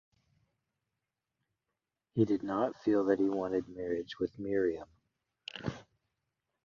He did not feel that he wanted marriage with Miriam.